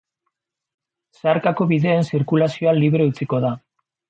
Zeharkako bideen zirkulazioa libre utziko da.